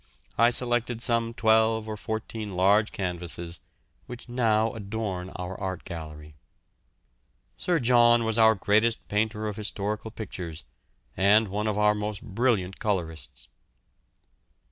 I selected some twelve or fourteen large canvases, which now adorn our art gallery. Sir John was our greatest painter of historical pictures, and one of our most brilliant colourists.